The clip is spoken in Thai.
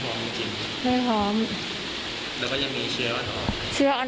นั่งคุยไม่หอมจริงไม่หอมแล้วก็ยังมีเชื้ออ่อน